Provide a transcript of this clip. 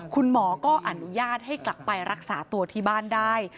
คุณหมอก็อนุญาตให้กลับไปรักษาตัวที่บ้านได้